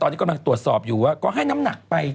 ตอนนี้กำลังตรวจสอบอยู่ว่าก็ให้น้ำหนักไป